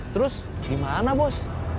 terus gimana bos